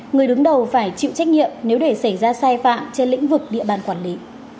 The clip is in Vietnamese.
người đứng đầu phải chịu trách nhiệm nếu để xảy ra sai phạm trên lĩnh vực địa bàn quản lý